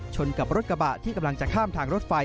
กับรถกระบะที่กำลังจะข้ามทางรถไฟ